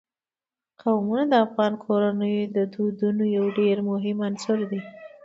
قومونه د افغان کورنیو د دودونو یو ډېر مهم عنصر دی.